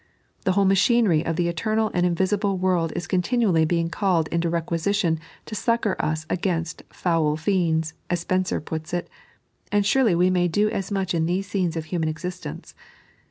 The whole machinery of the eternal and invisible world is continually being called into requisi tion to succour us against " foul fiends," as Spencer puts it, and surely we may do as much in these scenes of human existence.